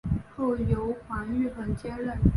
后由黄玉衡接任。